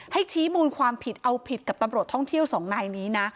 ชี้มูลความผิดเอาผิดกับตำรวจท่องเที่ยวสองนายนี้นะ